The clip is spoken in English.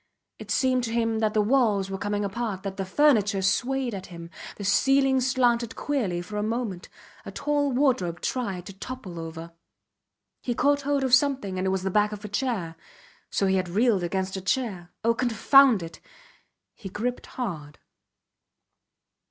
It seemed to him that the walls were coming apart, that the furniture swayed at him; the ceiling slanted queerly for a moment, a tall wardrobe tried to topple over. He caught hold of something and it was the back of a chair. So he had reeled against a chair! Oh! Confound it! He gripped hard.